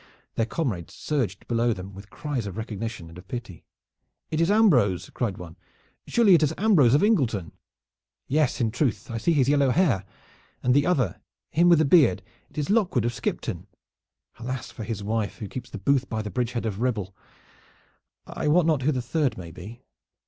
Their comrades surged below them with cries of recognition and of pity. "It is Ambrose!" cried one. "Surely it is Ambrose of Ingleton." "Yes, in truth, I see his yellow hair. And the other, him with the beard, it is Lockwood of Skipton. Alas for his wife who keeps the booth by the bridge head of Ribble! I wot not who the third may be."